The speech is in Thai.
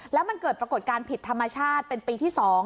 แล้วมันเกิดปรากฏการณ์ผิดธรรมชาติเป็นปีที่๒